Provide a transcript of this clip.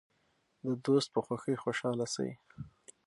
د دوست په خوښۍ خوشحاله شئ.